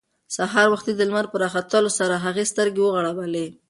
سهار وختي د لمر په راختلو سره هغې سترګې وغړولې.